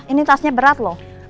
ini tasnya berat loh